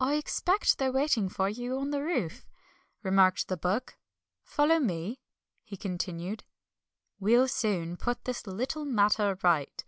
"I expect they're waiting for you on the roof," remarked the Book. "Follow me," he continued, "we'll soon put this little matter right."